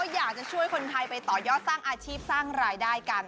อยากจะช่วยคนไทยไปต่อยอดสร้างอาชีพสร้างรายได้กัน